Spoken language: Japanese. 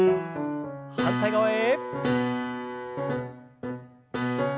反対側へ。